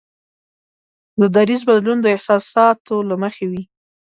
د دریځ بدلول د احساساتو له مخې وي.